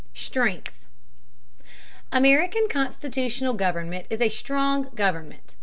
STRENGTH. American constitutional government is a strong government.